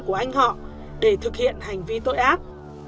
của anh họ để thực hiện hành vi tội ác